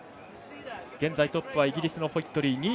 現在トップはイギリスのホイットリー。